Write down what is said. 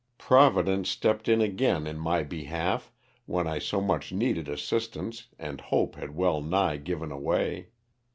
Providence stepped in again in my behalf when I so much needed assistance and hope had well nigh given away.